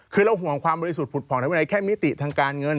คือเราห่วงความบริสุทธิ์ผุดผ่องทางวินัยแค่มิติทางการเงิน